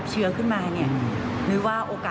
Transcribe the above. ก็คือเป็นการสร้างภูมิต้านทานหมู่ทั่วโลกด้วยค่ะ